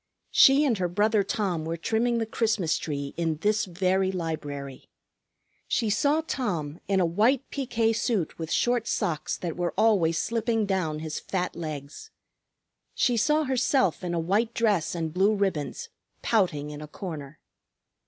She and her brother Tom were trimming the Christmas tree in this very library. She saw Tom, in a white piqué suit with short socks that were always slipping down his fat legs. She saw herself in a white dress and blue ribbons, pouting in a corner.